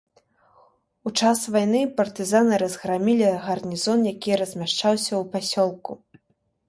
У час вайны партызаны разграмілі гарнізон, які размяшчаўся ў пасёлку.